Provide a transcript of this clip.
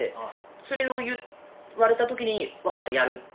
それを言われた時に「わかったやる」って。